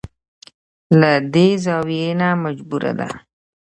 له دې زاويې نه مجبوره ده.